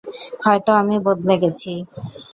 হয়তো আমি বদলে গেছি।